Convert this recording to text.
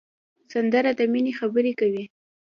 سندره د مینې خبرې کوي